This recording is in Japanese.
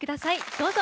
どうぞ。